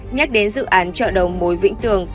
nhắc đến dự án chợ đầu mối vĩnh tường